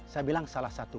saya bilang salah satu